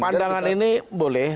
pandangan ini boleh